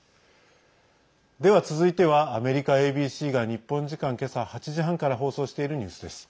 では、続いてはアメリカＡＢＣが日本時間、今朝８時半から放送しているニュースです。